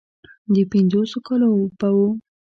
د پينځوسو کالو به و.